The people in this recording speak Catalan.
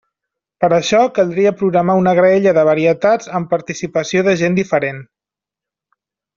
Per això caldria programar una graella de varietats amb participació de gent diferent.